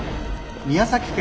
宮崎県